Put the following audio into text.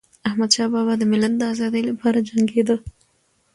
احمدشاه بابا د ملت د ازادی لپاره جنګيده.